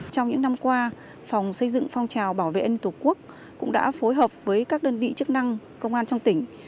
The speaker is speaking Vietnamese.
trong những năm qua phòng xây dựng phong trào bảo vệ an tổ quốc cũng đã phối hợp với các đơn vị chức năng công an trong tỉnh